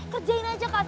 kerjain aja kak